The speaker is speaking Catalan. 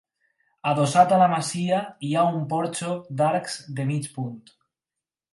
Adossat a la masia hi ha un porxo d'arcs de mig punt.